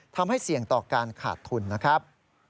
ทำให้เสี่ยงต่อการขาดทุนนะครับ